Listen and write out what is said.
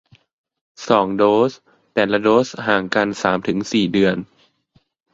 สองโดส แต่ละโดสห่างกันสามถึงสี่เดือน